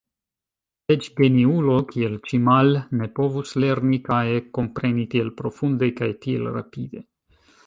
Eĉ geniulo, kiel Ĉimal, ne povus lerni kaj ekkompreni tiel profunde kaj tiel rapide.